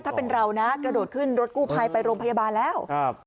ถ้าเป็นเรานะกระโดดขึ้นรถกู้ภัยไปโรงพยาบาลแล้วครับ